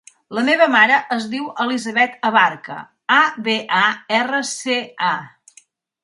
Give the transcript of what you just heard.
La meva mare es diu Elisabeth Abarca: a, be, a, erra, ce, a.